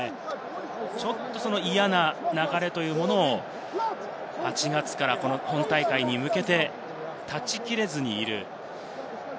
ちょっと嫌な流れというものを８月から本大会に向けて、断ち切れずにいる。